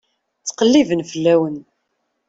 Ttqelliben fell-awen.